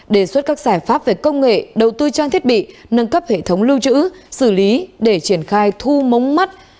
đề xuất các giải pháp về công nghệ đầu tư trang thiết bị nâng cấp hệ thống lưu trữ xử lý để triển khai thu mống mắt